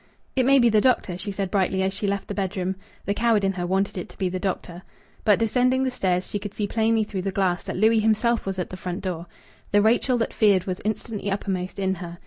"It may be the doctor," she said brightly, as she left the bedroom. The coward in her wanted it to be the doctor. But, descending the stairs, she could see plainly through the glass that Louis himself was at the front door. The Rachel that feared was instantly uppermost in her.